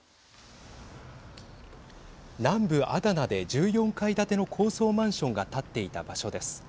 南部アダナで１４階建ての高層マンションが建っていた場所です。